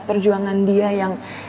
perjuangan dia yang